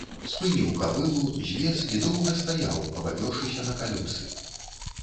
Спыніў кабылу, злез і доўга стаяў, абапёршыся на калёсы.